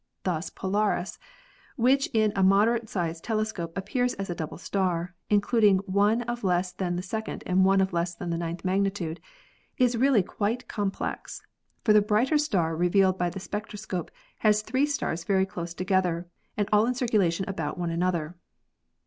Thus Polaris, which in a moderate sized telescope appears as a double star, including one of less than the second and one of less than the ninth magnitude, is really quite complex, for the brighter star revealed by the spectroscope has three stars very close together and all in circulation about one another.